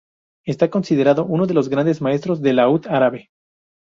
Está considerado uno de los grandes maestros de laúd árabe.